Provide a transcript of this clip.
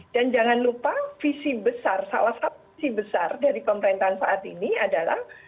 dan jangan lupa visi besar salah satu visi besar dari pemerintahan saat ini adalah